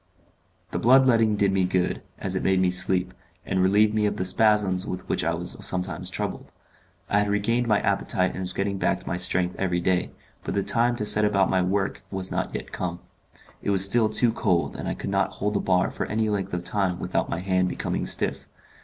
The blood letting did me good, as it made me sleep, and relieved me of the spasms with which I was sometimes troubled. I had regained my appetite and was getting back my strength every day, but the time to set about my work was not yet come; it was still too cold, and I could not hold the bar for any length of time without my hand becoming stiff.